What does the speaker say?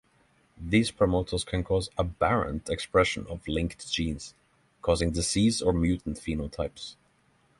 These promoters can cause aberrant expression of linked genes, causing disease or mutant phenotypes.